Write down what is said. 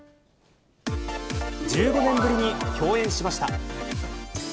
１５年ぶりに共演しました。